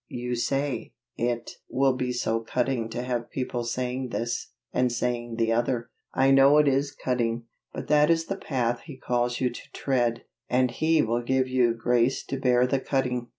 You say, "It will be so cutting to have people saying this, and saying the other." I know it is cutting, but that is the path He calls you to tread, and He will give you grace to bear the cutting.